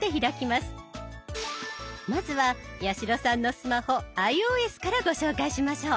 まずは八代さんのスマホｉＯＳからご紹介しましょう。